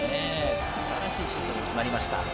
素晴らしいシュートが決まりました。